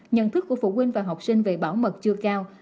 nhận thức của phụ huynh và học sinh về bảo mật chưa cao